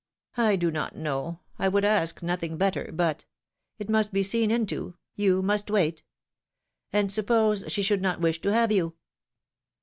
I do not know, I would ask nothing better, but — it must be seen into ; you must wait. And supjiose she should not wish to have you